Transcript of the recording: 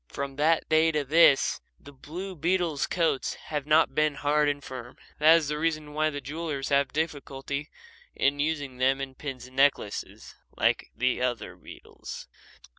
From that day to this the blue beetles' coats have not been hard and firm. That is the reason why the jewellers have difficulty in using them in pins and necklaces like other beetles.